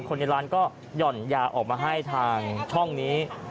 คนในร้านก็หย่อนยาออกมาให้ทางช่องนี้